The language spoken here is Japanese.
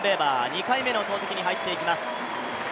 ２回目の投てきに入っていきます。